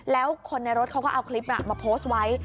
แล้วคนในรถเขาก็เอาคลิปมาโพสต์ไว้